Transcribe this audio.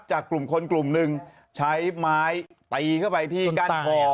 กลุ่มคนกลุ่มหนึ่งใช้ไม้ตีเข้าไปที่กั้นคอ